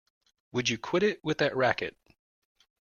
Would you quit it with that racket!